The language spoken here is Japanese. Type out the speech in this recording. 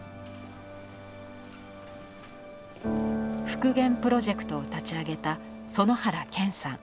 復元プロジェクトを立ち上げた園原謙さん。